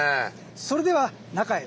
それでは中へ。